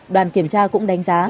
đoàn kiểm tra cũng đánh giá